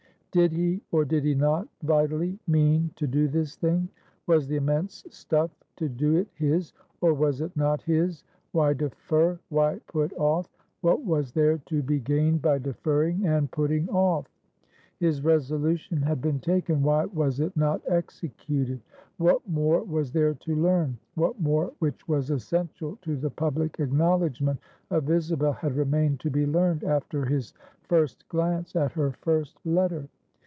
Did he, or did he not vitally mean to do this thing? Was the immense stuff to do it his, or was it not his? Why defer? Why put off? What was there to be gained by deferring and putting off? His resolution had been taken, why was it not executed? What more was there to learn? What more which was essential to the public acknowledgment of Isabel, had remained to be learned, after his first glance at her first letter?